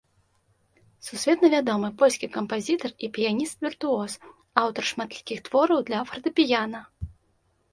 Сусветна вядомы польскі кампазітар і піяніст-віртуоз, аўтар шматлікіх твораў для фартэпіяна.